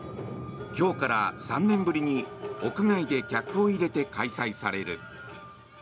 今日から３年ぶりに屋外で客を入れて開催される。